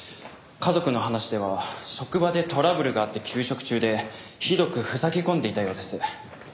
家族の話では職場でトラブルがあって休職中でひどく塞ぎ込んでいたようです。